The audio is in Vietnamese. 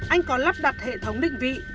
anh có lắp đặt hệ thống định vị